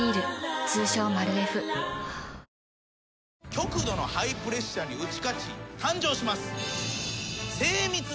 極度のハイプレッシャーに打ち勝ち誕生します。